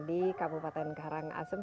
di kabupaten karangasem